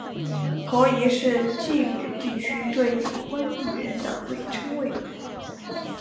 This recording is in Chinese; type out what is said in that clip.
婆姨是晋语地区对已婚女人的称谓。